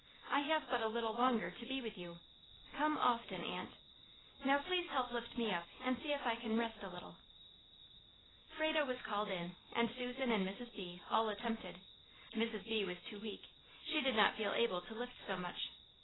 I have but a little longer to be with you, come often, Aunt. Now please help lift me up, and see if I can rest a little." Frado was called in, and Susan and Mrs. B. all attempted; Mrs. B. was too weak; she did not feel able to lift so much.